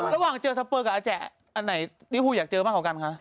ระหว่างเจอสเปอร์กับอาแจอันไหนลิฟูอยากเจอมากกว่ากันคะ